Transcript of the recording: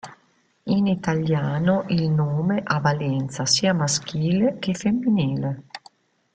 In italiano il nome ha valenza sia maschile che femminile.